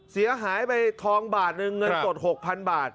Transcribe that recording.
เสียหายไปทองบาทหนึ่งเงินสด๖๐๐๐บาท